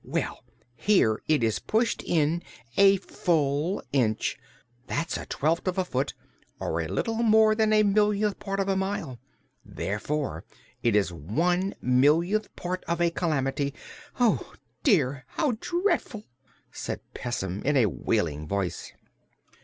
"Well, here it is pushed in a full inch! That's a twelfth of a foot, or a little more than a millionth part of a mile. Therefore it is one millionth part of a calamity Oh, dear! How dreadful!" said Pessim in a wailing voice.